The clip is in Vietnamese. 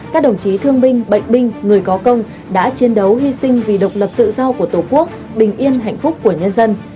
các đồng chí thương binh bệnh binh người có công đã chiến đấu hy sinh vì độc lập tự do của tổ quốc bình yên hạnh phúc của nhân dân